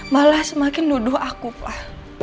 malah semakin nuduh aku lah